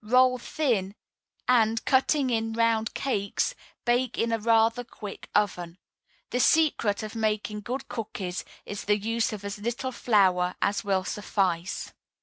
Roll thin, and, cutting in round cakes, bake in a rather quick oven. The secret of making good cookies is the use of as little flour as will suffice.